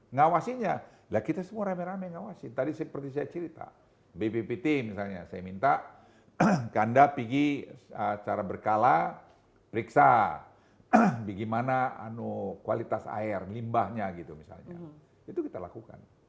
ngawasinya lah kita semua rame rame ngawasin tadi seperti saya cerita bppt misalnya saya minta kanda pergi secara berkala periksa bagaimana kualitas air limbahnya gitu misalnya itu kita lakukan